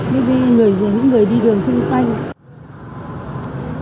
với những người đi đường xung quanh